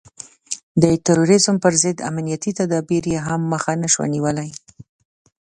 د تروريزم پر ضد امنيتي تدابير يې هم مخه نشي نيولای.